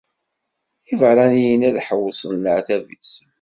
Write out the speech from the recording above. Iberraniyen ad ḥewṣen leɛtab-is.